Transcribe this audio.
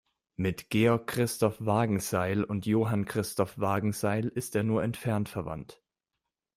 Mit Georg Christoph Wagenseil und Johann Christoph Wagenseil ist er nur entfernt verwandt.